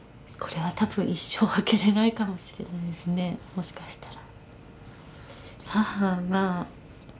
もしかしたら。